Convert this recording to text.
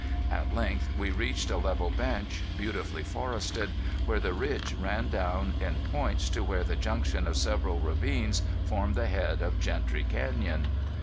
At length we reached a level bench, beautifully forested, where the ridge ran down in points to where the junction of several ravines formed the head of Gentry Canyon.